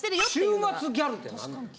週末ギャルって何なん？